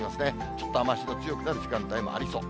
ちょっと雨足の強くなる時間帯もありそう。